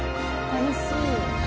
楽しい。